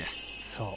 そう。